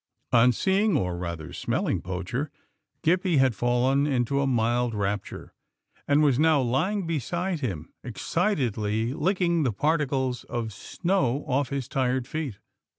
On see ing or rather smelling Poacher, Gippie had fallen into a mild rapture, and was now lying beside him, excitedly licking the particles of snow off his tired feet.